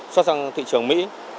xuất sang thị trường mỹ